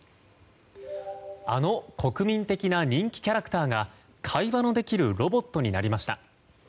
あの国民的な人気キャラクターが会話のできるロボットになりました。